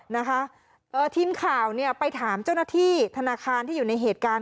นะคะเอ่อทีมข่าวเนี่ยไปถามเจ้าหน้าที่ธนาคารที่อยู่ในเหตุการณ์